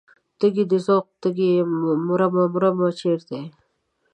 تږی د ذوق تږی یمه مرمه مرمه چرته یې؟